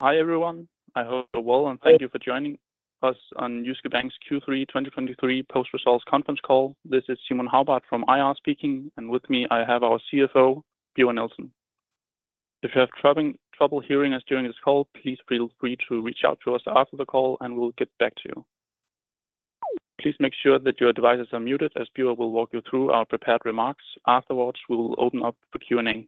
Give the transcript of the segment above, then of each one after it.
Hi, everyone. I hope you're well, and thank you for joining us on Jyske Bank's Q3 2023 post-results conference call. This is Simon Hagbart from IR speaking, and with me, I have our CFO, Birger Krøgh Nielsen. If you have trouble hearing us during this call, please feel free to reach out to us after the call, and we'll get back to you. Please make sure that your devices are muted as Birger Krøgh Nielsen will walk you through our prepared remarks. Afterwards, we'll open up for Q&A.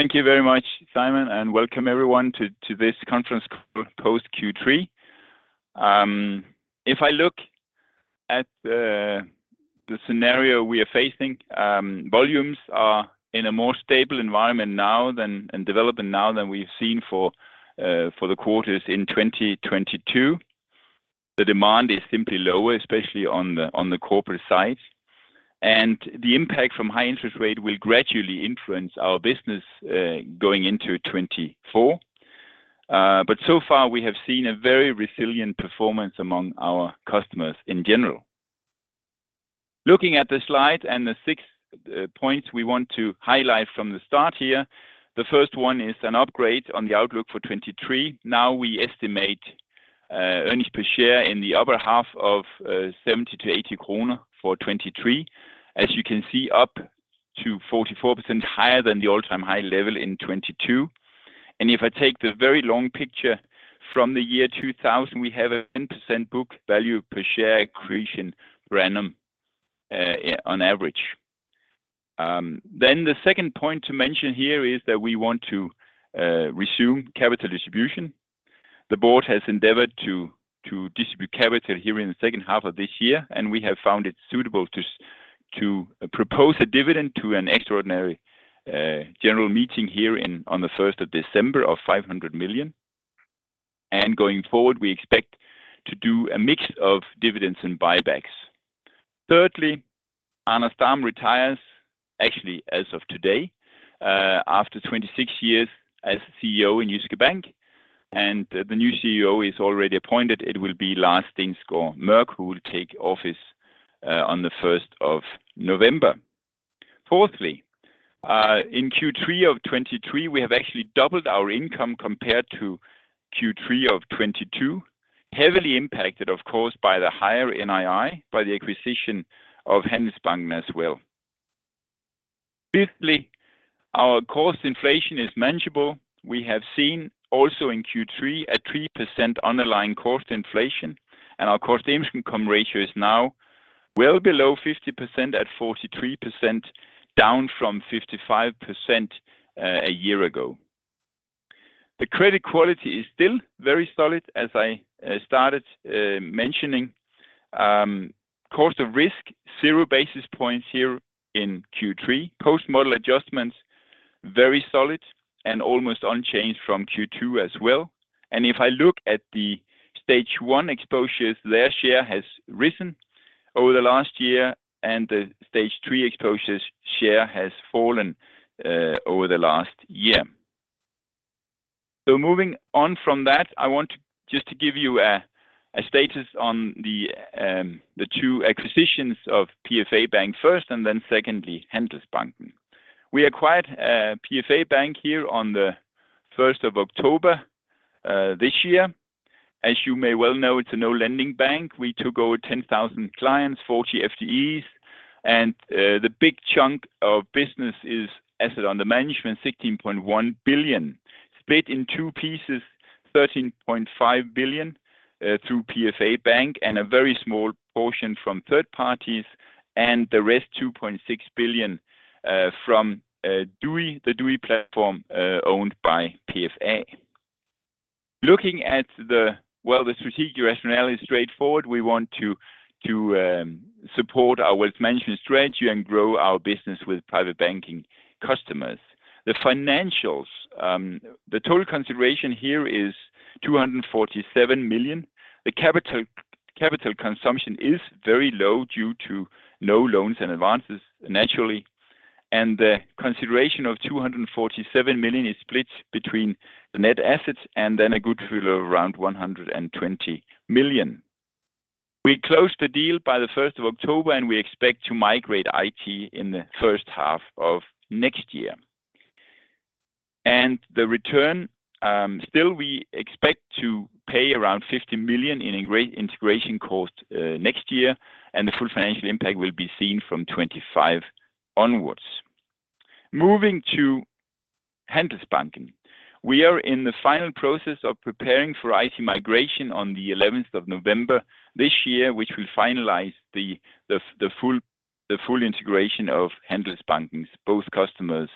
Thank you very much, Simon, and welcome everyone to this conference call post Q3. If I look at the scenario we are facing, volumes are in a more stable environment now than and developing now than we've seen for the quarters in 2022. The demand is simply lower, especially on the corporate side, and the impact from high interest rate will gradually influence our business, going into 2024. But so far, we have seen a very resilient performance among our customers in general. Looking at the slide and the six points we want to highlight from the start here, the first one is an upgrade on the outlook for 2023. Now, we estimate earnings per share in the upper half of 70-80 kroner for 2023. As you can see, up to 44% higher than the all-time high level in 2022. If I take the very long picture from the year 2000, we have a 10% book value per share creation on average. Then the second point to mention here is that we want to resume capital distribution. The board has endeavored to distribute capital here in the second half of this year, and we have found it suitable to propose a dividend to an extraordinary general meeting here on the first of December of 500 million. And going forward, we expect to do a mix of dividends and buybacks. Thirdly, Anders Dam retires, actually, as of today, after 26 years as CEO in Jyske Bank, and the new CEO is already appointed. It will be Lars Stensgaard Mørch, who will take office on the first of November. Fourthly, in Q3 of 2023, we have actually doubled our income compared to Q3 of 2022, heavily impacted, of course, by the higher NII, by the acquisition of Handelsbanken as well. Fifthly, our cost inflation is manageable. We have seen also in Q3, a 3% underlying cost inflation, and our cost income ratio is now well below 50% at 43%, down from 55%, a year ago. The credit quality is still very solid, as I started mentioning. Cost of risk, 0 basis points here in Q3. Cost model adjustments, very solid and almost unchanged from Q2 as well. If I look at the Stage one exposures, their share has risen over the last year, and the Stage three exposures share has fallen over the last year. So moving on from that, I want just to give you a status on the two acquisitions of PFA Bank first, and then secondly, Handelsbanken. We acquired PFA Bank here on the first of October this year. As you may well know, it's a no lending bank. We took over 10,000 clients, 40 FTEs, and the big chunk of business is asset under management, 16.1 billion, split in two pieces, 13.5 billion through PFA Bank, and a very small portion from third parties, and the rest, 2.6 billion from Doi, the Doi platform owned by PFA. Looking at the... Well, the strategic rationale is straightforward. We want to support our wealth management strategy and grow our business with private banking customers. The financials, the total consideration here is 247 million. The capital consumption is very low due to no loans and advances, naturally, and the consideration of 247 million is split between the net assets and then a goodwill of around 120 million. We closed the deal by the first of October, and we expect to migrate IT in the first half of next year. And the return, still, we expect to pay around 50 million in integration cost next year, and the full financial impact will be seen from 2025 onwards. Moving to Handelsbanken. We are in the final process of preparing for IT migration on the eleventh of November this year, which will finalize the full integration of Handelsbanken, both customers,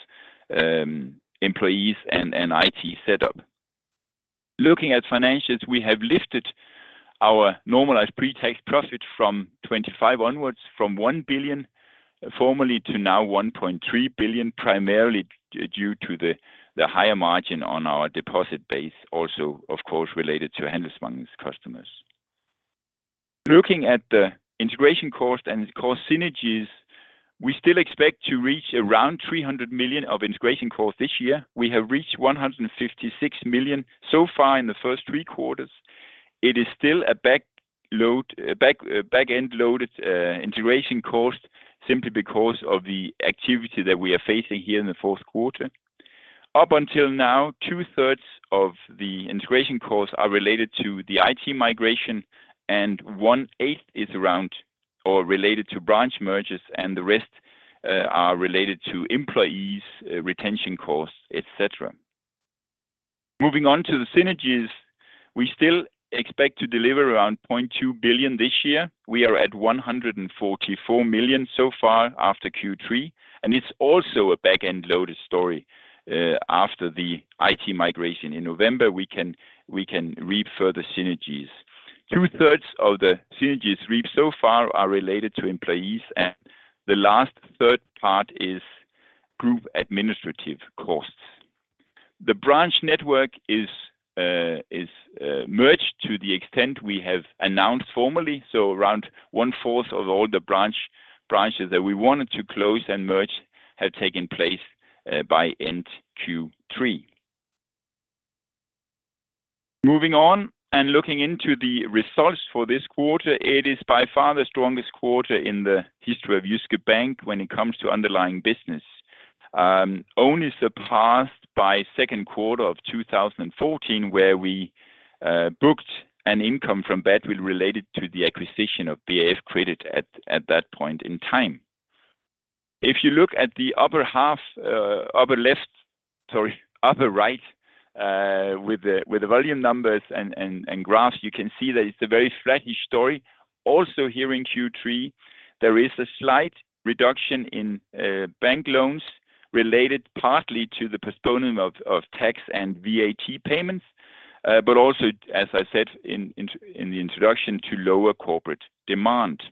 employees and IT setup. Looking at financials, we have lifted our normalized pre-tax profit from 2025 onwards from 1 billion formerly to now 1.3 billion, primarily due to the higher margin on our deposit base also, of course, related to Handelsbanken's customers. Looking at the integration cost and cost synergies, we still expect to reach around 300 million of integration cost this year. We have reached 156 million so far in the first three quarters. It is still a back-end loaded integration cost simply because of the activity that we are facing here in the fourth quarter. Up until now, two-thirds of the integration costs are related to the IT migration, and one-eighth is around or related to branch mergers, and the rest are related to employees, retention costs, et cetera. Moving on to the synergies, we still expect to deliver around 0.2 billion this year. We are at 144 million so far after Q3, and it's also a back-end loaded story. After the IT migration in November, we can reap further synergies. Two-thirds of the synergies reaped so far are related to employees, and the last third part is group administrative costs. The branch network is merged to the extent we have announced formally, so around one-fourth of all the branches that we wanted to close and merge have taken place by end Q3. Moving on and looking into the results for this quarter, it is by far the strongest quarter in the history of Jyske Bank when it comes to underlying business. Only surpassed by second quarter of 2014, where we booked an income from badwill related to the acquisition of BRFkredit at that point in time. If you look at the upper half, upper left, sorry, upper right, with the volume numbers and graphs, you can see that it's a very flattish story. Also, here in Q3, there is a slight reduction in bank loans related partly to the postponement of tax and VAT payments, but also, as I said in the introduction, to lower corporate demand.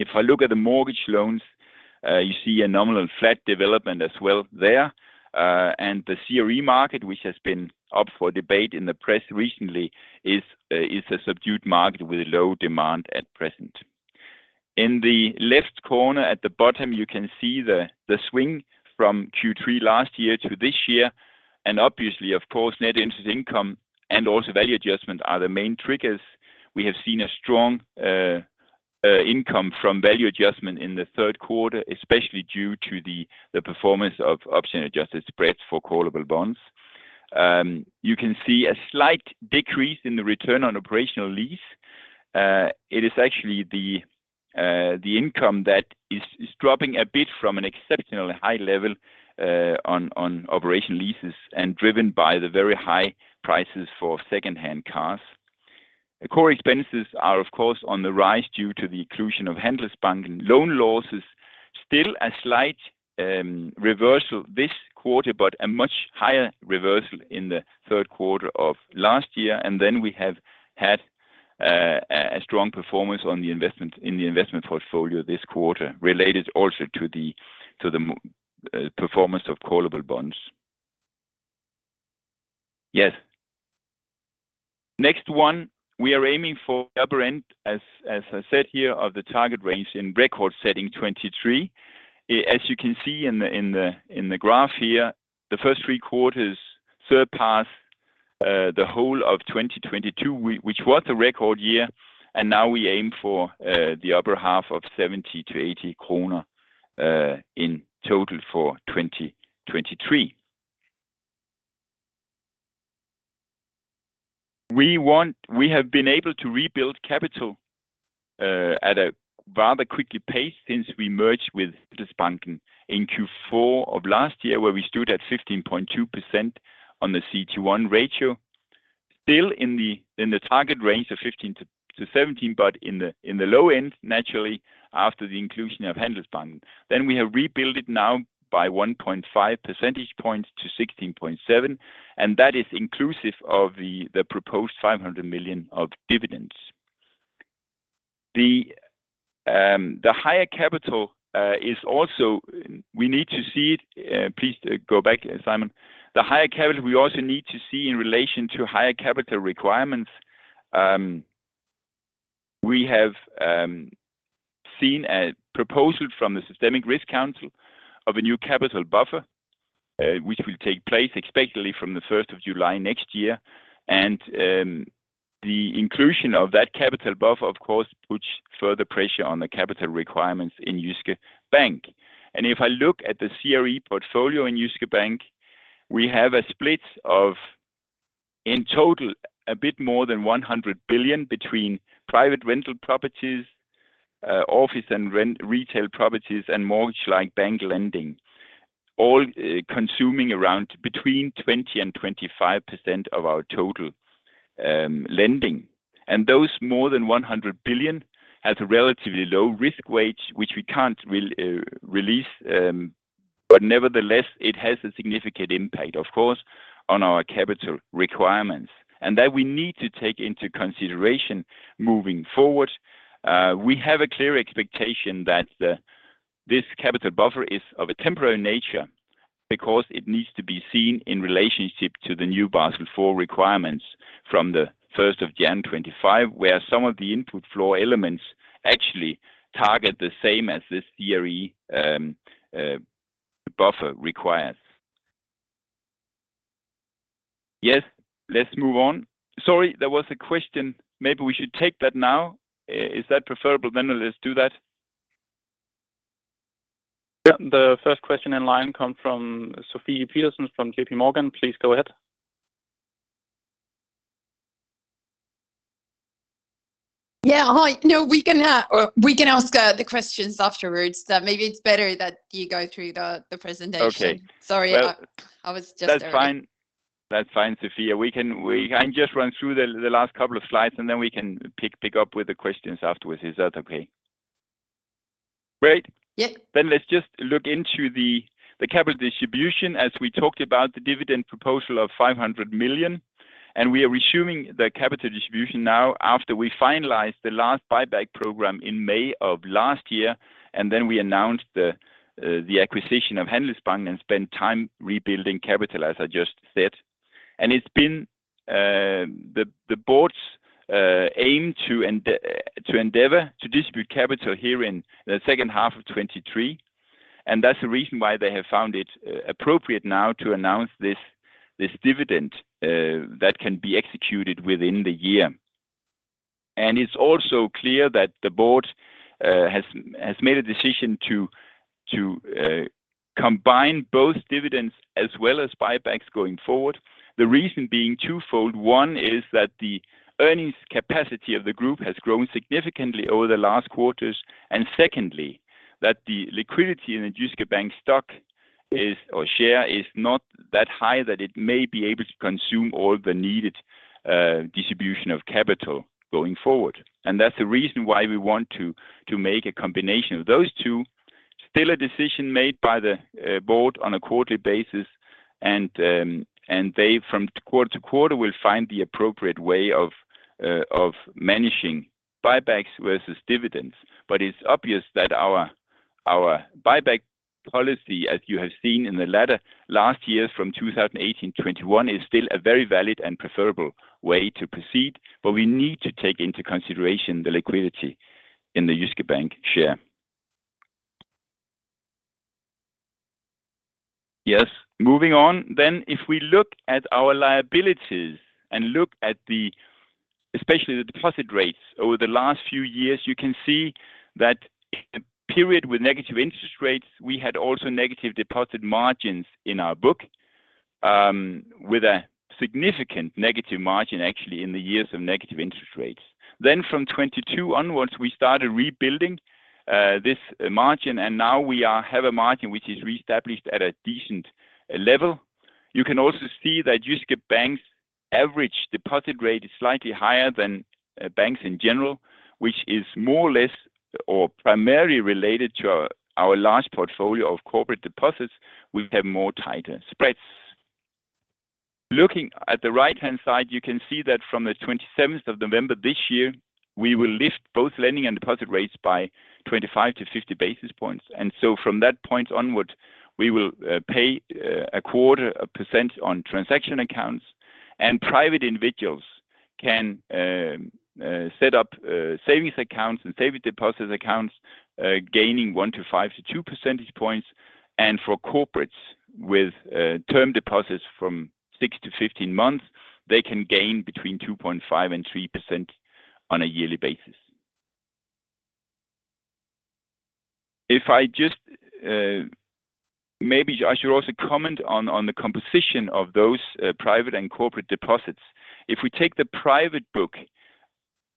If I look at the mortgage loans, you see a nominal flat development as well there. And the CRE market, which has been up for debate in the press recently, is a subdued market with low demand at present. In the left corner at the bottom, you can see the swing from Q3 last year to this year. And obviously, of course, net interest income and also value adjustment are the main triggers. We have seen a strong income from value adjustment in the third quarter, especially due to the performance of option-adjusted spreads for callable bonds. You can see a slight decrease in the return on operational lease. It is actually the income that is dropping a bit from an exceptionally high level on operational leases and driven by the very high prices for secondhand cars. The core expenses are, of course, on the rise due to the inclusion of Handelsbanken. Loan loss is still a slight reversal this quarter, but a much higher reversal in the third quarter of last year. And then we have had a strong performance in the investment portfolio this quarter, related also to the performance of callable bonds. Yes. Next one, we are aiming for the upper end, as I said here, of the target range in record-setting 2023. As you can see in the graph here, the first three quarters surpassed the whole of 2022, which was a record year, and now we aim for the upper half of 70-80 kroner in total for 2023. We have been able to rebuild capital at a rather quick pace since we merged with Handelsbanken in Q4 of last year, where we stood at 15.2% on the CET1 ratio. Still in the target range of 15%-17%, but in the low end, naturally, after the inclusion of Handelsbanken. Then we have rebuilt it now by 1.5 percentage points to 16.7, and that is inclusive of the proposed 500 million of dividends. The higher capital is also... We need to see it. Please go back, Simon. The higher capital, we also need to see in relation to higher capital requirements. We have seen a proposal from the Systemic Risk Council of a new capital buffer, which will take place expectedly from the first of July next year. The inclusion of that capital buffer, of course, puts further pressure on the capital requirements in Jyske Bank. If I look at the CRE portfolio in Jyske Bank, we have a split of, in total, a bit more than 100 billion between private rental properties, office and retail properties, and mortgage-like bank lending, all consuming around between 20% and 25% of our total lending. Those more than 100 billion has a relatively low risk weight, which we can't release, but nevertheless, it has a significant impact, of course, on our capital requirements. And that we need to take into consideration moving forward. We have a clear expectation that this capital buffer is of a temporary nature because it needs to be seen in relationship to the new Basel IV requirements from January 1, 2025, where some of the input floor elements actually target the same as this CRE buffer requires. Yes, let's move on .Sorry, there was a question. Maybe we should take that now. Is that preferable? Then let's do that. Yep, the first question in line comes from Sofie Peterzens from JPMorgan. Please go ahead. Yeah, hi. No, we can ask the questions afterwards. So maybe it's better that you go through the presentation. Okay. Sorry, I was just- That's fine. That's fine, Sofie. We can just run through the last couple of slides, and then we can pick up with the questions afterwards. Is that okay? Great. Yep. Then let's just look into the capital distribution. As we talked about the dividend proposal of 500 million, and we are resuming the capital distribution now after we finalized the last buyback program in May of last year, and then we announced the acquisition of Handelsbanken and spent time rebuilding capital, as I just said. And it's been the board's aim to endeavor to distribute capital here in the second half of 2023, and that's the reason why they have found it appropriate now to announce this dividend that can be executed within the year. And it's also clear that the board has made a decision to combine both dividends as well as buybacks going forward. The reason being twofold. One is that the earnings capacity of the group has grown significantly over the last quarters, and secondly, that the liquidity in the Jyske Bank stock is, or share, is not that high, that it may be able to consume all the needed distribution of capital going forward. That's the reason why we want to make a combination of those two. Still a decision made by the board on a quarterly basis, and they, from quarter to quarter, will find the appropriate way of managing buybacks versus dividends. It's obvious that our buyback policy, as you have seen in the latter last year, from 2018 to 2021, is still a very valid and preferable way to proceed, but we need to take into consideration the liquidity in the Jyske Bank share. Yes, moving on then. If we look at our liabilities and look at the, especially the deposit rates over the last few years, you can see that the period with negative interest rates, we had also negative deposit margins in our book, with a significant negative margin, actually, in the years of negative interest rates. Then from 2022 onwards, we started rebuilding this margin, and now we have a margin which is reestablished at a decent level. You can also see that Jyske Bank's average deposit rate is slightly higher than banks in general, which is more or less or primarily related to our, our large portfolio of corporate deposits, we have more tighter spreads. Looking at the right-hand side, you can see that from the 27th of November this year, we will lift both lending and deposit rates by 25-50 basis points. From that point onward, we will pay 0.25% on transaction accounts, and private individuals can set up savings accounts and saving deposits accounts, gaining 1.5-2 percentage points. For corporates with term deposits from 6-15 months, they can gain between 2.5%-3% on a yearly basis. If I just... Maybe I should also comment on the composition of those private and corporate deposits. If we take the private book,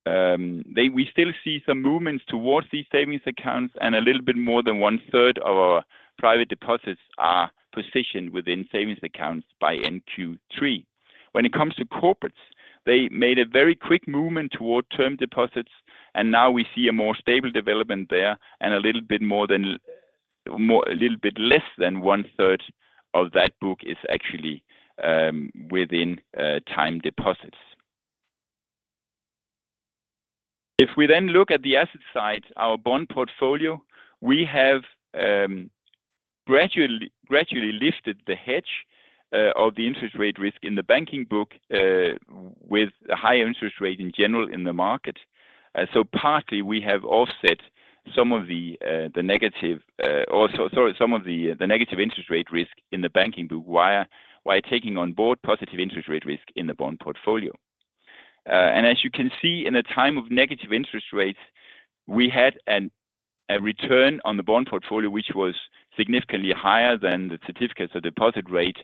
we still see some movements towards these savings accounts, and a little bit more than one-third of our private deposits are positioned within savings accounts by Q3. When it comes to corporates, they made a very quick movement toward term deposits, and now we see a more stable development there, and a little bit less than one-third of that book is actually within time deposits. If we then look at the asset side, our bond portfolio, we have gradually lifted the hedge of the interest rate risk in the banking book with a higher interest rate in general in the market. So partly, we have offset some of the negative interest rate risk in the banking book, while taking on board positive interest rate risk in the bond portfolio. And as you can see, in a time of negative interest rates, we had a return on the bond portfolio, which was significantly higher than the certificates of deposit rate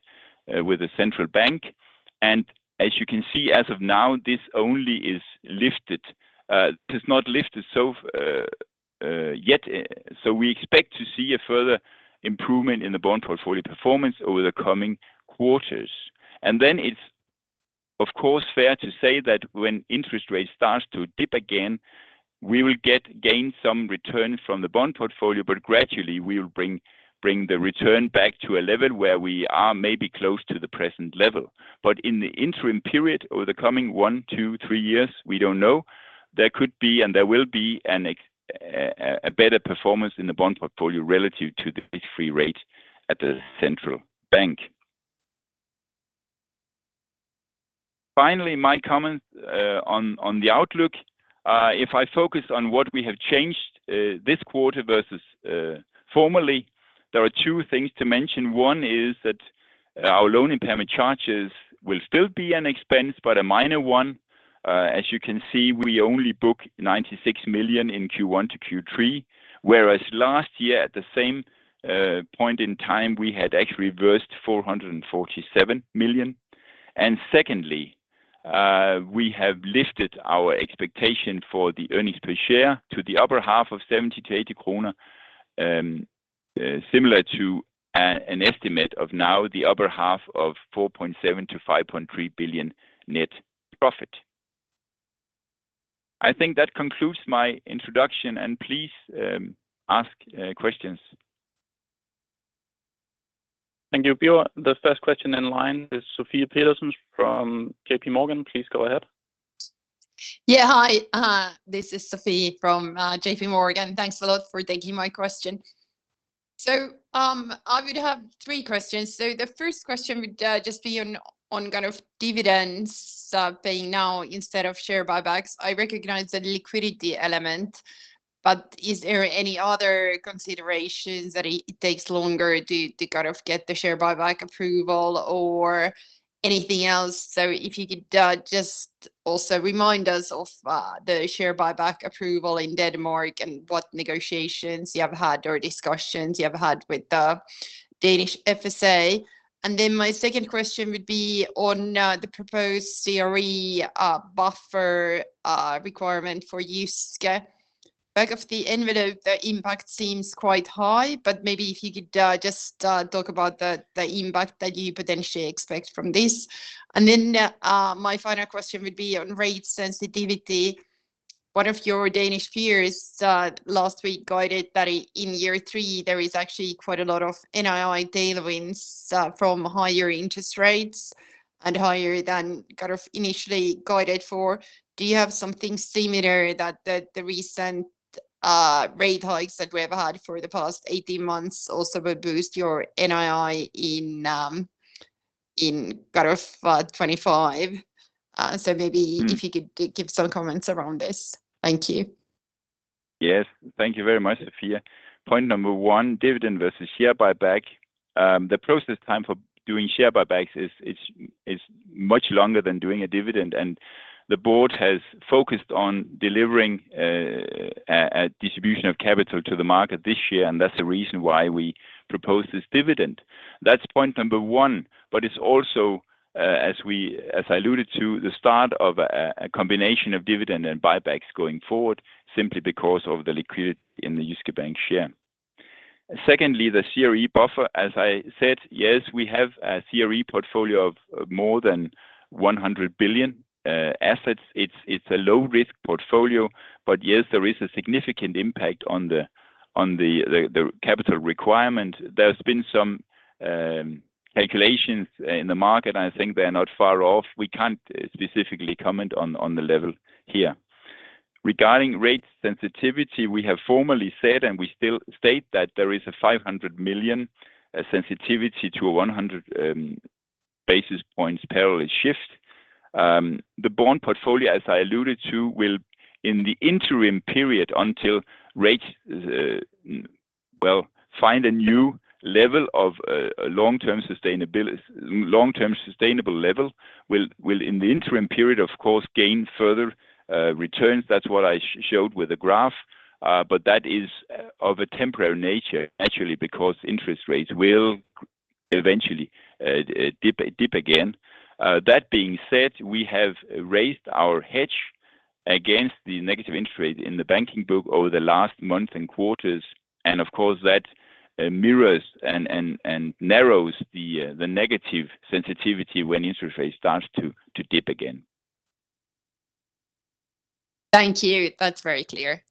with the central bank. And as you can see, as of now, this only is lifted, does not lifted so yet. So we expect to see a further improvement in the bond portfolio performance over the coming quarters. And then it's, of course, fair to say that when interest rates starts to dip again, we will gain some return from the bond portfolio, but gradually, we will bring the return back to a level where we are maybe close to the present level. But in the interim period, over the coming one to three years, we don't know, there could be, and there will be a better performance in the bond portfolio relative to the risk-free rate at the central bank... Finally, my comments on the outlook. If I focus on what we have changed this quarter versus formerly, there are two things to mention. One is that our loan impairment charges will still be an expense, but a minor one. As you can see, we only book 96 million in Q1 to Q3, whereas last year at the same point in time, we had actually reversed 447 million. And secondly, we have lifted our expectation for the earnings per share to the upper half of 70-80 kroner, similar to an estimate of now the upper half of 4.7 billion-5.3 billion net profit. I think that concludes my introduction, and please, ask questions. Thank you, Birger. The first question in line is Sofie Peterzens from JPMorgan. Please go ahead. Yeah. Hi, this is Sofie from J.P. Morgan. Thanks a lot for taking my question. So, I would have three questions. So the first question would just be on kind of dividends paying now instead of share buybacks. I recognize the liquidity element, but is there any other considerations that it takes longer to kind of get the share buyback approval or anything else? So if you could just also remind us of the share buyback approval in Denmark and what negotiations you have had or discussions you have had with the Danish FSA. And then my second question would be on the proposed CRE buffer requirement for Jyske. Back of the envelope, the impact seems quite high, but maybe if you could just talk about the impact that you potentially expect from this. Then, my final question would be on rate sensitivity. One of your Danish peers last week guided that in year three, there is actually quite a lot of NII tailwinds from higher interest rates and higher than kind of initially guided for. Do you have something similar that the recent rate hikes that we have had for the past 18 months also will boost your NII in, in kind of 2025? So maybe- Mm. If you could give some comments around this. Thank you. Yes, thank you very much, Sofie. Point number one, dividend versus share buyback. The process time for doing share buybacks is, is, is much longer than doing a dividend, and the board has focused on delivering a distribution of capital to the market this year, and that's the reason why we proposed this dividend. That's point number one, but it's also, as I alluded to, the start of a combination of dividend and buybacks going forward, simply because of the liquidity in the Jyske Bank share. Secondly, the CRE buffer, as I said, yes, we have a CRE portfolio of more than 100 billion assets. It's a low-risk portfolio, but yes, there is a significant impact on the capital requirement. There's been some calculations in the market, and I think they are not far off. We can't specifically comment on the level here. Regarding rate sensitivity, we have formally said, and we still state, that there is a 500 million sensitivity to a 100 basis points parallel shift. The bond portfolio, as I alluded to, will in the interim period until rates well find a new level of long-term sustainable level, will in the interim period, of course, gain further returns. That's what I showed with the graph. But that is of a temporary nature, actually, because interest rates will eventually dip again. That being said, we have raised our hedge against the negative interest rate in the banking book over the last month and quarters, and of course, that mirrors and narrows the negative sensitivity when interest rates starts to dip again. Thank you. That's very clear.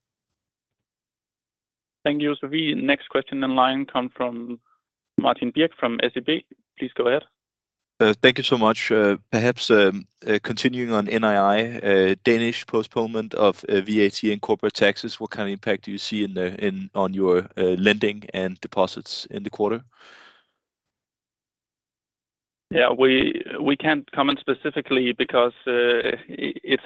Thank you, Sofie. Next question in line come from Martin Birk from SEB. Please go ahead. Thank you so much. Perhaps, continuing on NII, Danish postponement of VAT and corporate taxes, what kind of impact do you see on your lending and deposits in the quarter? Yeah, we can't comment specifically because it's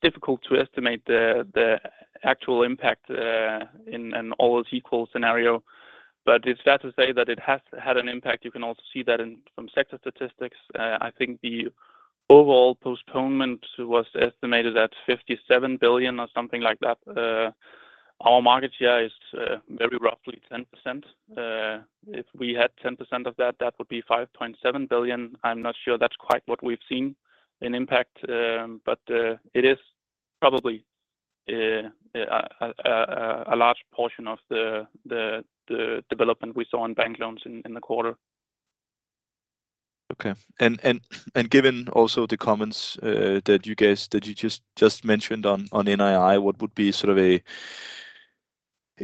difficult to estimate the actual impact in an all else equal scenario, but it's fair to say that it has had an impact. You can also see that in some sector statistics. I think the overall postponement was estimated at 57 billion or something like that. Our market share is very roughly 10%. If we had 10% of that, that would be 5.7 billion. I'm not sure that's quite what we've seen in impact, but it is probably a large portion of the development we saw in bank loans in the quarter. Okay, and given also the comments that you just mentioned on NII, what would be sort of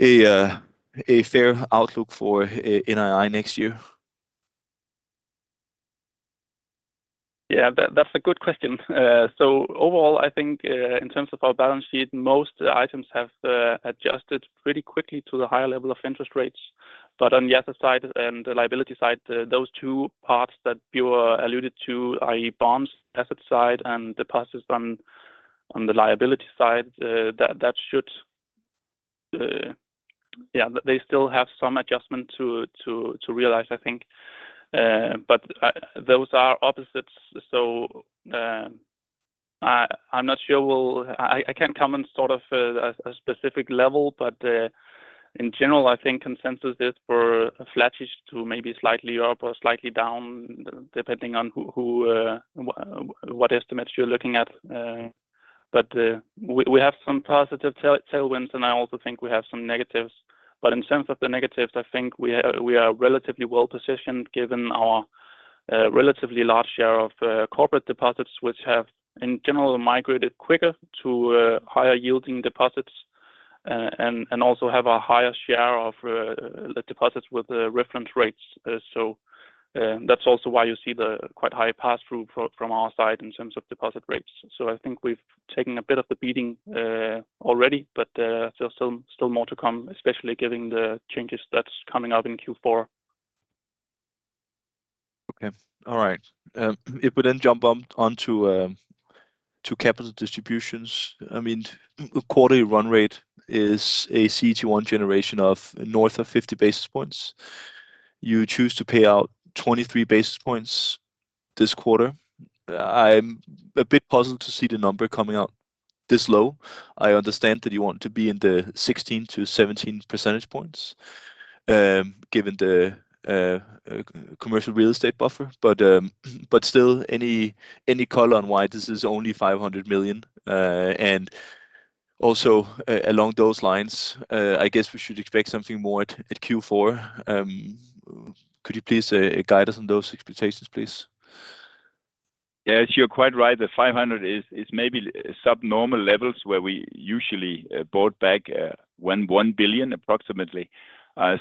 a fair outlook for NII next year? Yeah, that's a good question. So overall, I think in terms of our balance sheet, most items have adjusted pretty quickly to the higher level of interest rates. But on the other side and the liability side, those two parts that you alluded to, i.e., bonds, asset side, and deposits on the liability side, that should, yeah, they still have some adjustment to realize, I think. But those are opposites, so I'm not sure we'll, I can't comment sort of a specific level, but in general, I think consensus is for a flattish to maybe slightly up or slightly down, depending on who, what estimates you're looking at. But we have some positive tailwinds, and I also think we have some negatives. But in terms of the negatives, I think we are relatively well-positioned, given our relatively large share of corporate deposits, which have, in general, migrated quicker to higher-yielding deposits. And also have a higher share of the deposits with the reference rates. So that's also why you see the quite high pass-through from our side in terms of deposit rates. So I think we've taken a bit of the beating already, but there's still more to come, especially given the changes that's coming out in Q4. Okay. All right. If we then jump to capital distributions, I mean, the quarterly run rate is a CET1 generation of north of 50 basis points. You choose to pay out 23 basis points this quarter. I'm a bit puzzled to see the number coming out this low. I understand that you want to be in the 16-17 percentage points, given the commercial real estate buffer, but still, any color on why this is only 500 million? And also, along those lines, I guess we should expect something more at Q4. Could you please guide us on those expectations, please? Yes, you're quite right. The 500 is maybe subnormal levels, where we usually bought back 1 billion, approximately.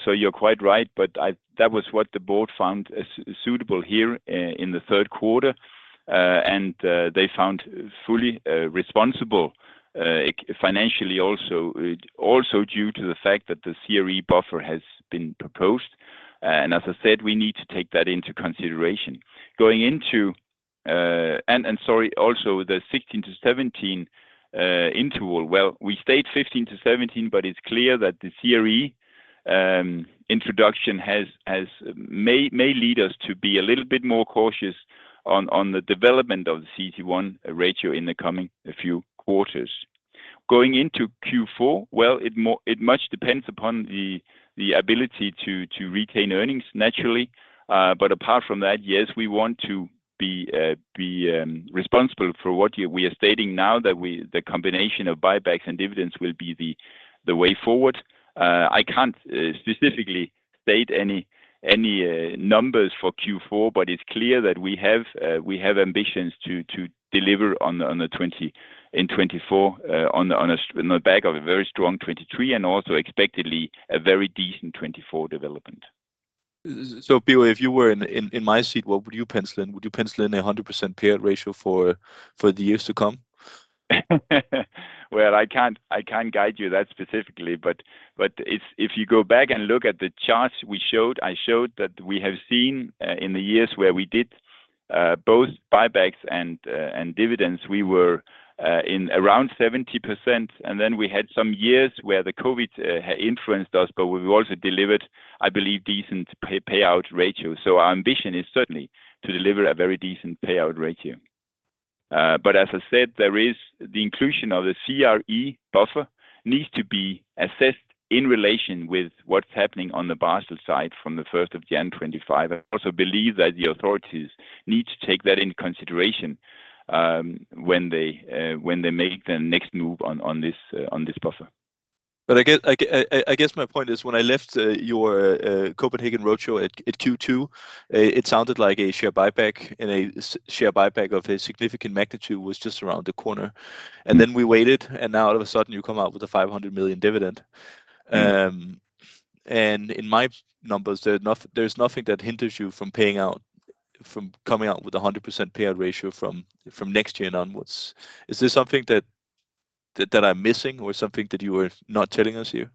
So you're quite right, but I... That was what the board found as suitable here in the third quarter. And they found fully responsible financially also. It also due to the fact that the CRE buffer has been proposed, and as I said, we need to take that into consideration. Going into... And sorry, also, the 16-17 interval, well, we stayed 15-17, but it's clear that the CRE introduction has may lead us to be a little bit more cautious on the development of the CET1 ratio in the coming few quarters. Going into Q4, well, it much depends upon the ability to retain earnings naturally. But apart from that, yes, we want to be responsible for what we are stating now, that the combination of buybacks and dividends will be the way forward. I can't specifically state any numbers for Q4, but it's clear that we have ambitions to deliver on 2024, on the back of a very strong 2023, and also expectedly, a very decent 2024 development. So Bir, if you were in my seat, what would you pencil in? Would you pencil in a 100% payout ratio for the years to come? Well, I can't, I can't guide you that specifically, but, but if, if you go back and look at the charts we showed, I showed, that we have seen in the years where we did both buybacks and, and dividends, we were in around 70%. And then we had some years where the COVID influenced us, but we've also delivered, I believe, decent payout ratios. So our ambition is certainly to deliver a very decent payout ratio. But as I said, there is the inclusion of the CRE buffer needs to be assessed in relation with what's happening on the Basel side from the first of January 2025. I also believe that the authorities need to take that into consideration, when they, when they make their next move on, on this, on this buffer. But I guess my point is, when I left your Copenhagen Roadshow at Q2, it sounded like a share buyback and a share buyback of a significant magnitude was just around the corner. Then we waited, and now, all of a sudden, you come out with a 500 million dividend. Mm-hmm. In my numbers, there's nothing that hinders you from paying out, from coming out with a 100% payout ratio from next year and onwards. Is there something that I'm missing, or something that you are not telling us here?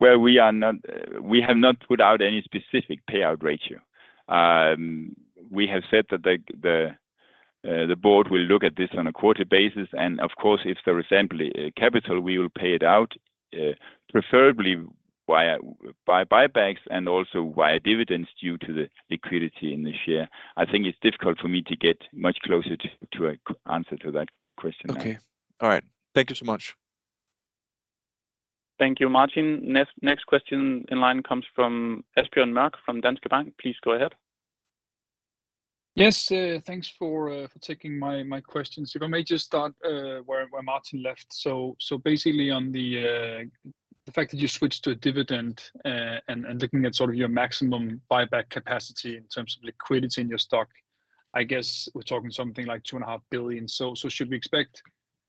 Well, we have not put out any specific payout ratio. We have said that the board will look at this on a quarterly basis, and of course, if there is ample capital, we will pay it out, preferably via by buybacks and also via dividends due to the liquidity in the share. I think it's difficult for me to get much closer to an answer to that question. Okay. All right. Thank you so much. Thank you, Martin. Next, next question in line comes from Asbjørn Mørk, from Danske Bank. Please go ahead. Yes, thanks for taking my questions. If I may just start where Martin left. So basically on the fact that you switched to a dividend, and looking at sort of your maximum buyback capacity in terms of liquidity in your stock, I guess we're talking something like 2.5 billion. So should we expect,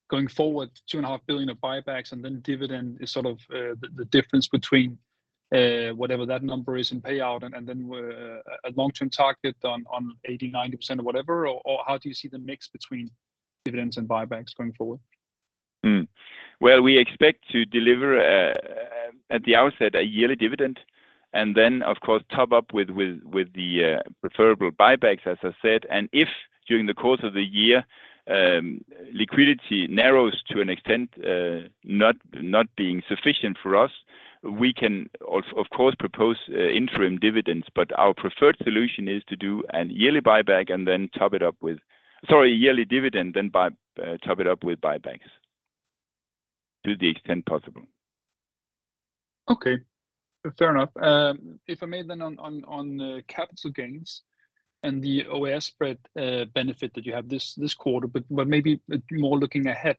going forward, 2.5 billion of buybacks, and then dividend is sort of the difference between whatever that number is in payout, and then a long-term target on 80%-90% or whatever? Or how do you see the mix between dividends and buybacks going forward? ... Mm-hmm. Well, we expect to deliver at the outset a yearly dividend, and then, of course, top up with the preferable buybacks, as I said. And if during the course of the year, liquidity narrows to an extent not being sufficient for us, we can of course propose interim dividends. But our preferred solution is to do a yearly dividend, then top it up with buybacks, to the extent possible. Okay, fair enough. If I may, then on capital gains and the OAS spread benefit that you have this quarter, but maybe more looking ahead,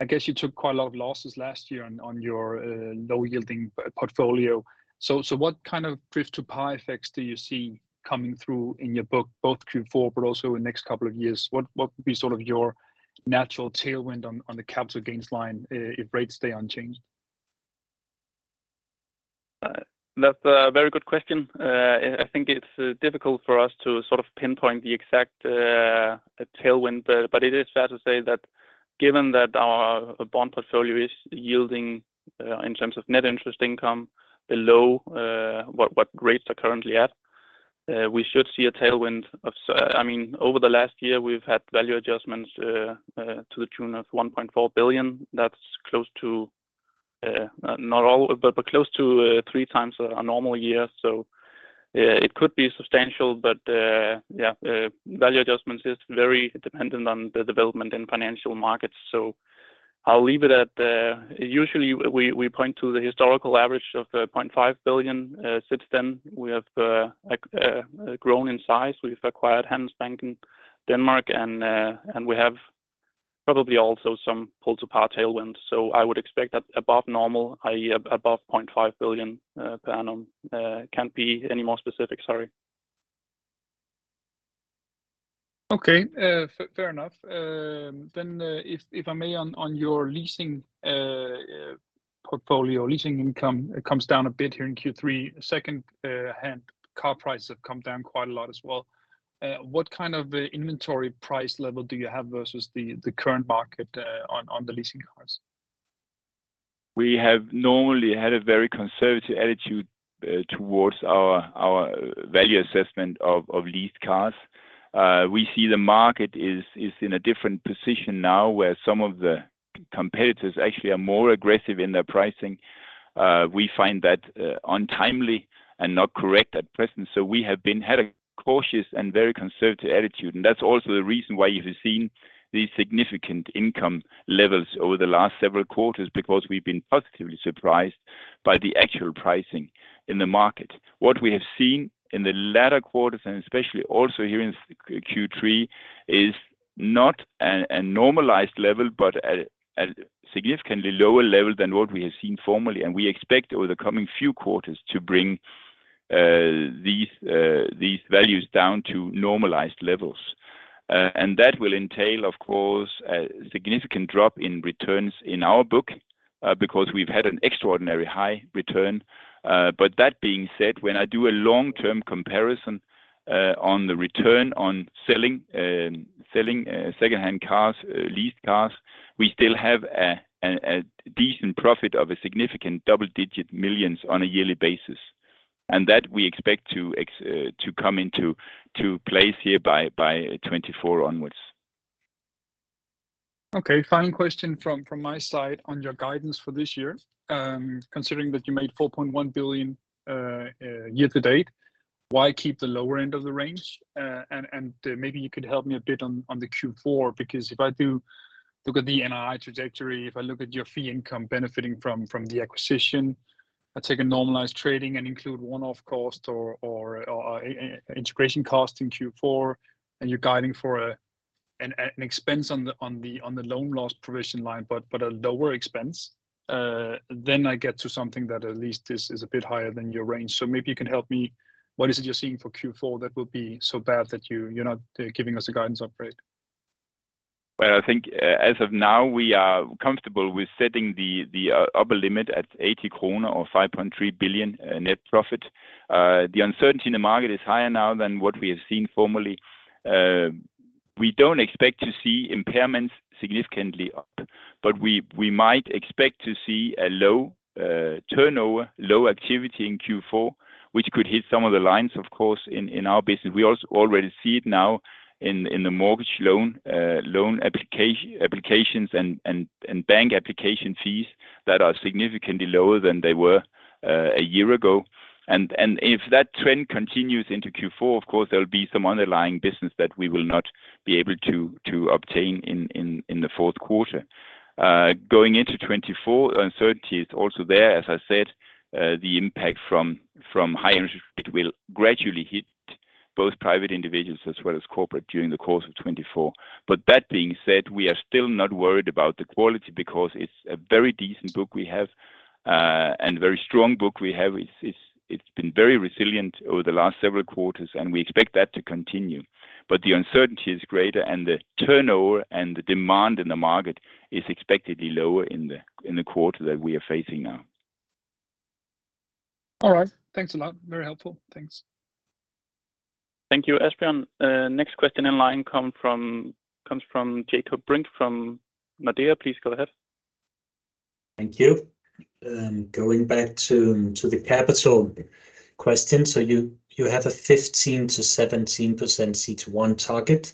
I guess you took quite a lot of losses last year on your low-yielding portfolio. So what kind of pull-to-par effects do you see coming through in your book, both Q4 but also in next couple of years? What would be sort of your natural tailwind on the capital gains line if rates stay unchanged? That's a very good question. I think it's difficult for us to sort of pinpoint the exact tailwind. But it is fair to say that given that our bond portfolio is yielding in terms of net interest income below what rates are currently at, we should see a tailwind. I mean, over the last year, we've had value adjustments to the tune of 1.4 billion. That's close to, not all, but close to, three times our normal year. So, it could be substantial, but, yeah, value adjustments is very dependent on the development in financial markets. So I'll leave it at, usually, we point to the historical average of 0.5 billion. Since then, we have grown in size. We've acquired Handelsbanken in Denmark, and, and we have probably also some pull-to-par tailwinds. So I would expect that above normal, i.e., above 0.5 billion, per annum. Can't be any more specific, sorry. Okay, fair enough. Then, if I may on your leasing portfolio, leasing income, it comes down a bit here in Q3. Second-hand car prices have come down quite a lot as well. What kind of inventory price level do you have versus the current market on the leasing cars? We have normally had a very conservative attitude towards our value assessment of leased cars. We see the market is in a different position now, where some of the competitors actually are more aggressive in their pricing. We find that untimely and not correct at present, so we have been had a cautious and very conservative attitude. And that's also the reason why you have seen these significant income levels over the last several quarters, because we've been positively surprised by the actual pricing in the market. What we have seen in the latter quarters, and especially also here in Q3, is not a normalized level, but at a significantly lower level than what we have seen formerly. And we expect over the coming few quarters to bring these values down to normalized levels. And that will entail, of course, a significant drop in returns in our book, because we've had an extraordinary high return. But that being said, when I do a long-term comparison, on the return on selling, selling, second-hand cars, leased cars, we still have a decent profit of a significant double-digit millions on a yearly basis, and that we expect to come into place here by 2024 onwards. Okay, final question from my side on your guidance for this year. Considering that you made 4.1 billion year to date, why keep the lower end of the range? And maybe you could help me a bit on the Q4, because if I do look at the NII trajectory, if I look at your fee income benefiting from the acquisition, I take a normalized trading and include one-off cost or integration cost in Q4, and you're guiding for an expense on the loan loss provision line, but a lower expense. Then I get to something that at least is a bit higher than your range. So maybe you can help me, what is it you're seeing for Q4 that would be so bad that you're not giving us a guidance upgrade? Well, I think as of now, we are comfortable with setting the upper limit at 80 krone or 5.3 billion net profit. The uncertainty in the market is higher now than what we have seen formerly. We don't expect to see impairments significantly up, but we might expect to see a low turnover, low activity in Q4, which could hit some of the lines, of course, in our business. We also already see it now in the mortgage loan applications and bank application fees that are significantly lower than they were a year ago. And if that trend continues into Q4, of course, there will be some underlying business that we will not be able to obtain in the fourth quarter. Going into 2024, uncertainty is also there. As I said, the impact from high interest rate will gradually hit both private individuals as well as corporate during the course of 2024. But that being said, we are still not worried about the quality because it's a very decent book we have, and very strong book we have. It's been very resilient over the last several quarters, and we expect that to continue. But the uncertainty is greater, and the turnover and the demand in the market is expectedly lower in the quarter that we are facing now.... All right. Thanks a lot. Very helpful. Thanks. Thank you, Asbjørn. Next question in line comes from Jakob Brink from Nordea. Please go ahead. Thank you. Going back to the capital question. So you have a 15%-17% CET1 target.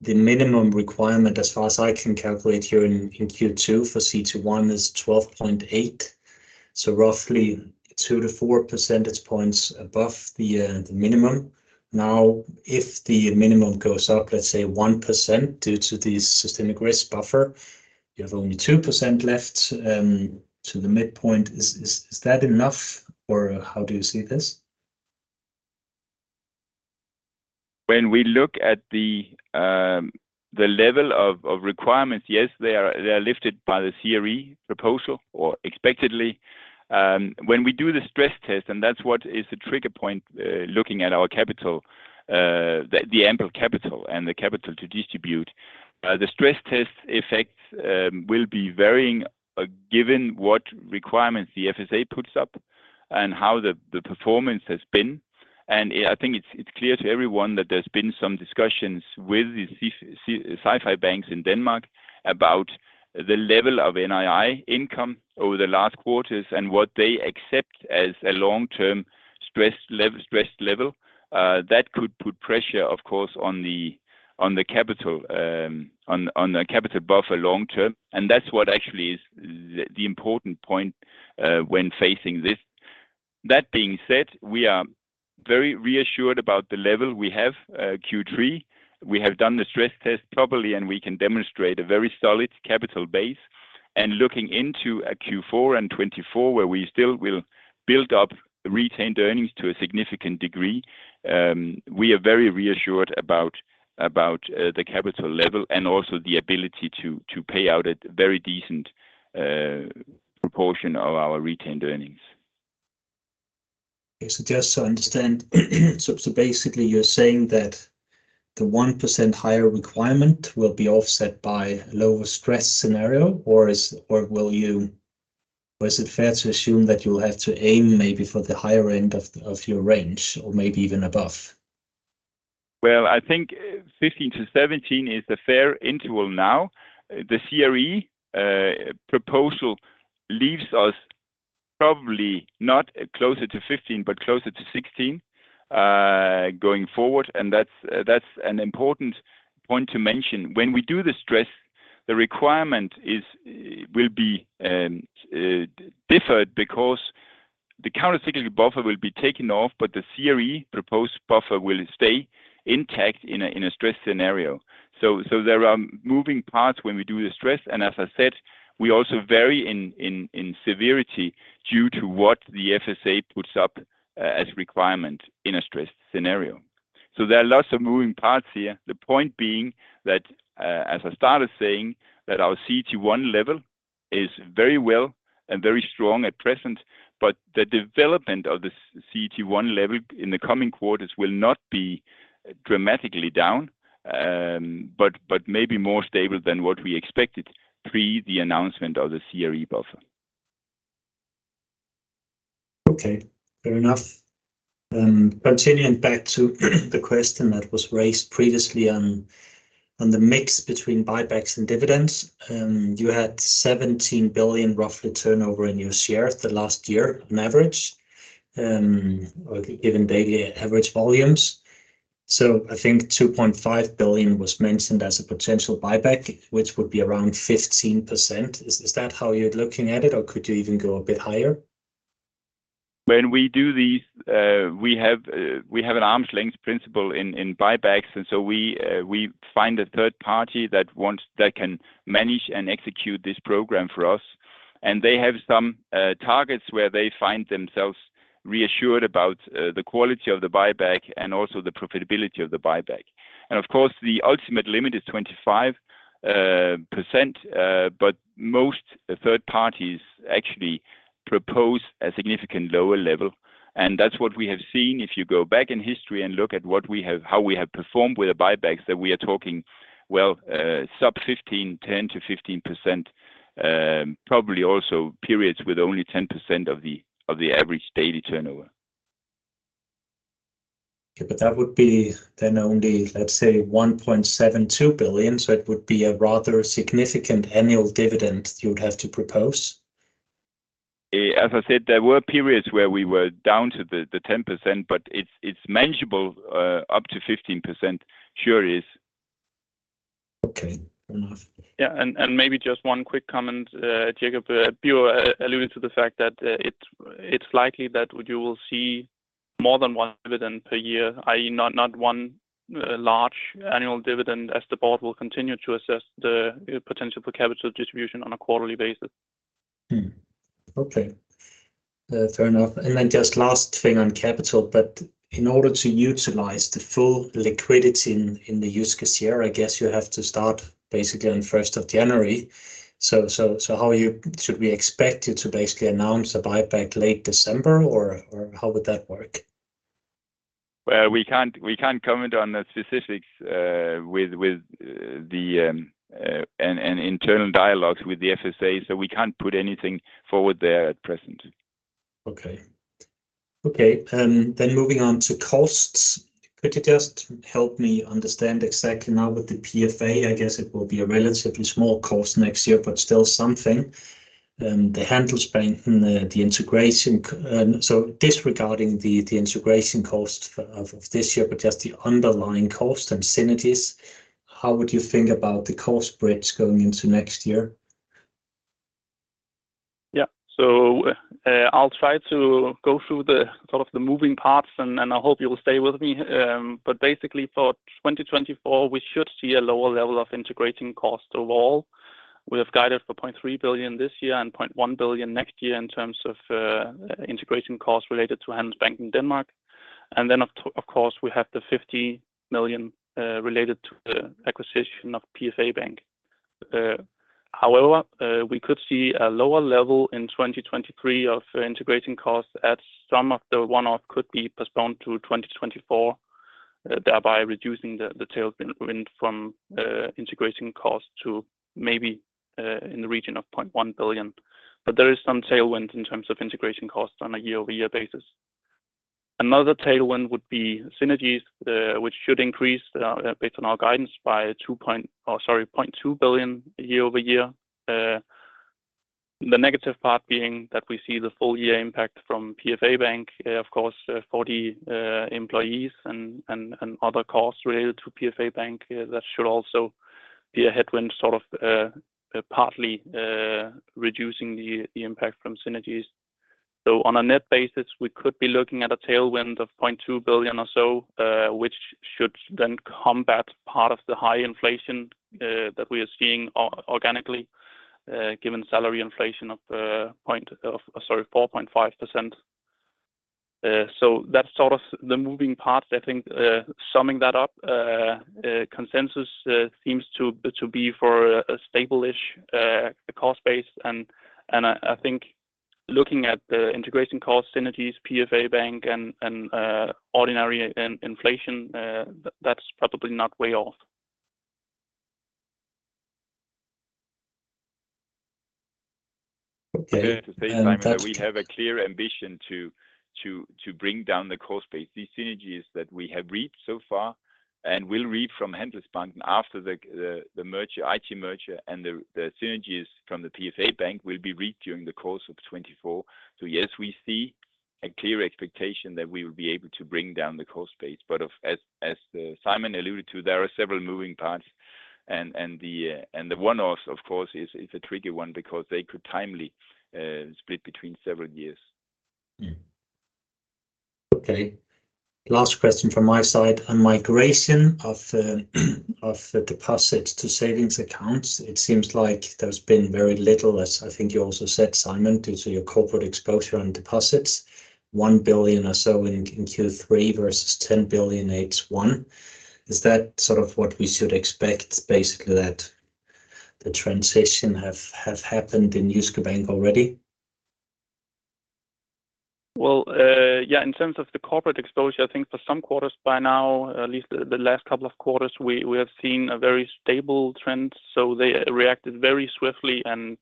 The minimum requirement, as far as I can calculate here in Q2 for CET1 is 12.8, so roughly 2-4 percentage points above the minimum. Now, if the minimum goes up, let's say, 1% due to the systemic risk buffer, you have only 2% left to the midpoint. Is that enough, or how do you see this? When we look at the level of requirements, yes, they are lifted by the CRE proposal, or expectedly. When we do the stress test, and that's what is the trigger point, looking at our capital, the ample capital and the capital to distribute. The stress test effects will be varying, given what requirements the FSA puts up and how the performance has been. And, I think it's clear to everyone that there's been some discussions with the SIFI banks in Denmark about the level of NII income over the last quarters and what they accept as a long-term stress level. That could put pressure, of course, on the capital buffer long term, and that's what actually is the important point when facing this. That being said, we are very reassured about the level we have, Q3. We have done the stress test properly, and we can demonstrate a very solid capital base. And looking into a Q4 and 2024, where we still will build up retained earnings to a significant degree, we are very reassured about the capital level and also the ability to pay out a very decent proportion of our retained earnings. Okay. So just so I understand, basically you're saying that the 1% higher requirement will be offset by lower stress scenario, or is it fair to assume that you will have to aim maybe for the higher end of your range or maybe even above? Well, I think 15%-17% is the fair interval now. The CRE proposal leaves us probably not closer to 15%, but closer to 16%, going forward, and that's an important point to mention. When we do the stress, the requirement will be deferred because the countercyclical buffer will be taken off, but the CRE proposed buffer will stay intact in a stress scenario. So there are moving parts when we do the stress, and as I said, we also vary in severity due to what the FSA puts up as requirement in a stress scenario. So there are lots of moving parts here. The point being that, as I started saying, that our CET1 level is very well and very strong at present, but the development of the CET1 level in the coming quarters will not be dramatically down, but maybe more stable than what we expected pre the announcement of the CRE buffer. Okay, fair enough. Continuing back to the question that was raised previously on the mix between buybacks and dividends. You had 17 billion, roughly, turnover in your shares the last year on average, or given daily average volumes. So I think 2.5 billion was mentioned as a potential buyback, which would be around 15%. Is that how you're looking at it, or could you even go a bit higher? When we do these, we have, we have an arm's length principle in, in buybacks, and so we, we find a third party that wants-- that can manage and execute this program for us. And they have some, targets where they find themselves reassured about, the quality of the buyback and also the profitability of the buyback. And of course, the ultimate limit is 25%, but most third parties actually propose a significant lower level, and that's what we have seen. If you go back in history and look at what we have, how we have performed with the buybacks, that we are talking, well, sub 15, 10%-15%, probably also periods with only 10% of the average daily turnover. Okay. But that would be then only, let's say, 1.72 billion, so it would be a rather significant annual dividend you would have to propose. As I said, there were periods where we were down to the 10%, but it's manageable up to 15%. Sure is. Okay. Fair enough. Yeah, and, and maybe just one quick comment, Jacob. Birger alluded to the fact that, it's, it's likely that you will see more than one dividend per year, i.e., not, not one, large annual dividend, as the board will continue to assess the potential for capital distribution on a quarterly basis. Okay. Fair enough. And then just last thing on capital, but in order to utilize the full liquidity in the Jyske share, I guess you have to start basically on first of January. So, how are you? Should we expect you to basically announce the buyback late December, or how would that work?... we can't comment on the specifics with the internal dialogues with the FSA, so we can't put anything forward there at present. Okay. Okay, and then moving on to costs, could you just help me understand exactly now with the PFA? I guess it will be a relatively small cost next year, but still something. The Handelsbanken and the integration costs, so disregarding the integration cost of this year, but just the underlying cost and synergies, how would you think about the cost bridge going into next year? Yeah. So, I'll try to go through the sort of the moving parts, and I hope you will stay with me. But basically, for 2024, we should see a lower level of integrating cost overall. We have guided for 0.3 billion this year and 0.1 billion next year in terms of integration costs related to Handelsbanken Denmark, and then of course, we have the 50 million related to the acquisition of PFA Bank. However, we could see a lower level in 2023 of integrating costs, as some of the one-off could be postponed to 2024, thereby reducing the tailwind from integrating costs to maybe in the region of 0.1 billion. But there is some tailwind in terms of integration costs on a year-over-year basis. Another tailwind would be synergies, which should increase based on our guidance by 0.2 billion year-over-year. The negative part being that we see the full year impact from PFA Bank, of course, 40 employees and other costs related to PFA Bank. That should also be a headwind, sort of, partly reducing the impact from synergies. So on a net basis, we could be looking at a tailwind of 0.2 billion or so, which should then combat part of the high inflation that we are seeing organically, given salary inflation of 4.5%. So that's sort of the moving parts. I think, summing that up, consensus seems to be for a stable-ish cost base. And I think looking at the integration cost, synergies, PFA Bank, and ordinary inflation, that's probably not way off. Okay, and that- To say, Simon, that we have a clear ambition to bring down the cost base. These synergies that we have reaped so far and will reap from Handelsbanken after the merger, IT merger, and the synergies from the PFA Bank will be reaped during the course of 2024. So yes, we see a clear expectation that we will be able to bring down the cost base, but as Simon alluded to, there are several moving parts and the one-off, of course, is a tricky one because they could timely split between several years. Mm-hmm. Okay, last question from my side. On migration of of the deposits to savings accounts, it seems like there's been very little, as I think you also said, Simon, due to your corporate exposure on deposits, 1 billion or so in Q3 versus 10 billion H1. Is that sort of what we should expect, basically, that the transition have happened in Jyske Bank already? Well, yeah, in terms of the corporate exposure, I think for some quarters by now, at least the last couple of quarters, we have seen a very stable trend. So they reacted very swiftly, and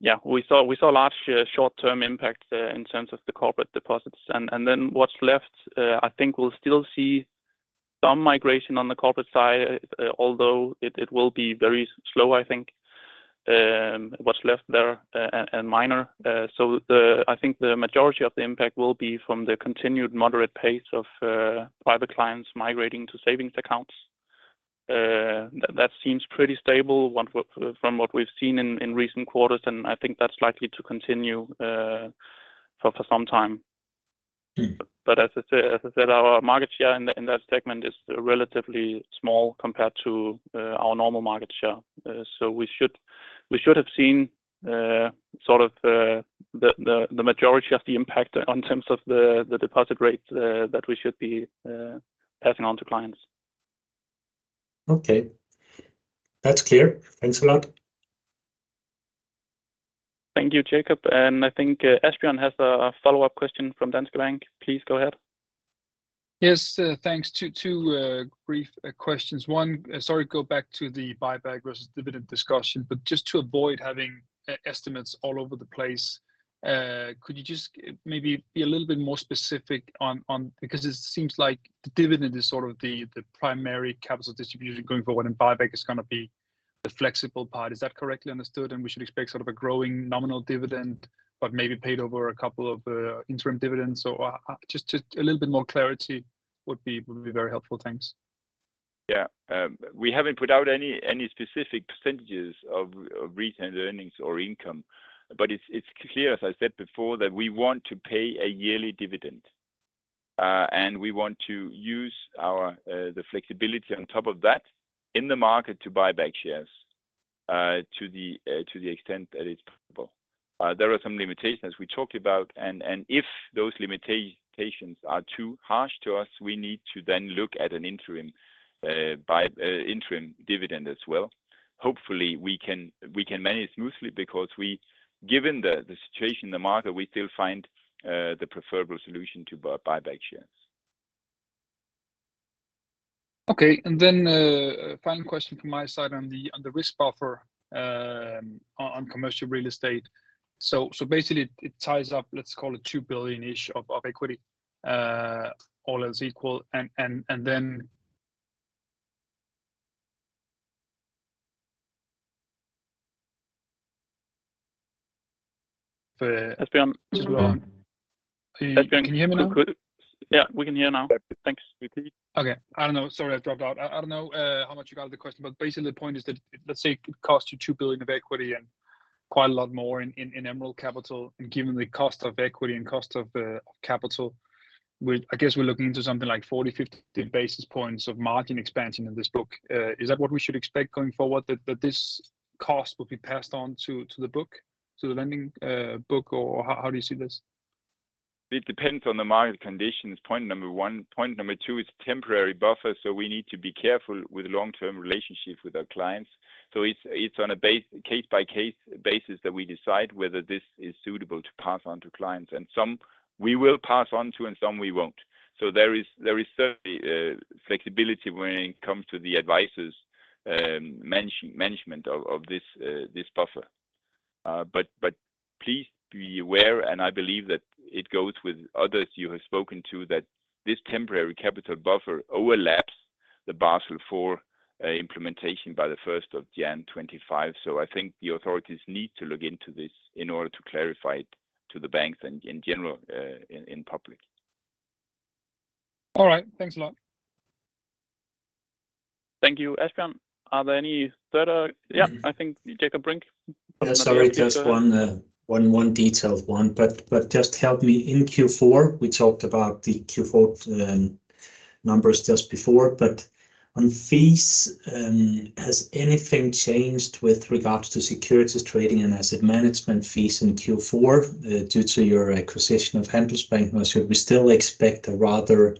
yeah, we saw large short-term impact in terms of the corporate deposits. And then what's left, I think we'll still see some migration on the corporate side, although it will be very slow, I think, what's left there, and minor. So the, I think the majority of the impact will be from the continued moderate pace of private clients migrating to savings accounts. That seems pretty stable from what we've seen in recent quarters, and I think that's likely to continue for some time. Mm-hmm. But as I said, as I said, our market share in that segment is relatively small compared to our normal market share. So we should, we should have seen sort of the majority of the impact in terms of the deposit rates that we should be passing on to clients. Okay. That's clear. Thanks a lot. Thank you, Jacob, and I think, Asbjørn has a follow-up question from Danske Bank. Please go ahead. Yes, thanks. Two brief questions. One, sorry, go back to the buyback versus dividend discussion, but just to avoid having estimates all over the place, could you just maybe be a little bit more specific on... Because it seems like the dividend is sort of the primary capital distribution going forward, and buyback is gonna be the flexible part. Is that correctly understood, and we should expect sort of a growing nominal dividend, but maybe paid over a couple of interim dividends? So, just a little bit more clarity would be very helpful. Thanks. Yeah. We haven't put out any specific percentages of retained earnings or income, but it's clear, as I said before, that we want to pay a yearly dividend, and we want to use our the flexibility on top of that in the market to buy back shares, to the extent that it's possible. There are some limitations we talked about, and if those limitations are too harsh to us, we need to then look at an interim dividend as well. Hopefully, we can manage smoothly because we, given the situation in the market, we still find the preferable solution to buy back shares.... Okay, and then, final question from my side on the, on the risk buffer, on commercial real estate. So, basically it ties up, let's call it 2 billion-ish of equity, all else equal. And then, for Asbjørn- Can you hear me now? Yeah, we can hear now. Okay. Thanks. Okay. I don't know. Sorry, I dropped out. I don't know how much you got of the question, but basically the point is that let's say it could cost you 2 billion of equity and quite a lot more in MREL capital, and given the cost of equity and cost of capital, I guess we're looking into something like 40-50 basis points of margin expansion in this book. Is that what we should expect going forward, that this cost will be passed on to the book, to the lending book? Or how do you see this? It depends on the market conditions, point number one. Point number two, it's temporary buffer, so we need to be careful with long-term relationships with our clients. So it's on a case-by-case basis that we decide whether this is suitable to pass on to clients, and some we will pass on to, and some we won't. So there is certainly a flexibility when it comes to the advisors' management of this buffer. But please be aware, and I believe that it goes with others you have spoken to, that this temporary capital buffer overlaps the Basel IV implementation by the 1st of January 2025. So I think the authorities need to look into this in order to clarify it to the banks and in general in public. All right. Thanks a lot. Thank you, Asbjørn. Are there any further... Yeah, I think Jacob Brink. Yeah, sorry, just one detailed one, but just help me. In Q4, we talked about the Q4 numbers just before, but on fees, has anything changed with regards to securities trading and asset management fees in Q4, due to your acquisition of Handelsbanken? Should we still expect a rather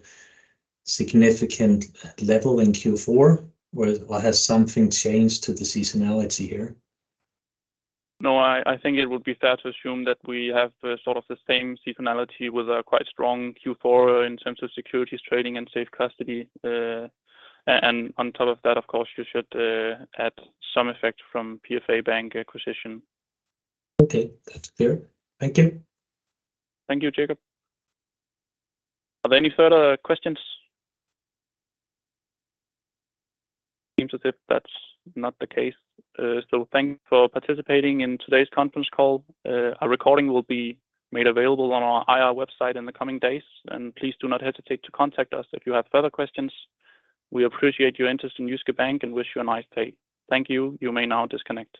significant level in Q4, or has something changed to the seasonality here? No, I think it would be fair to assume that we have sort of the same seasonality with a quite strong Q4 in terms of securities trading and safe custody. And on top of that, of course, you should add some effect from PFA Bank acquisition. Okay, that's clear. Thank you. Thank you, Jacob. Are there any further questions? Seems as if that's not the case. Thank you for participating in today's conference call. A recording will be made available on our IR website in the coming days, and please do not hesitate to contact us if you have further questions. We appreciate your interest in Jyske Bank and wish you a nice day. Thank you. You may now disconnect.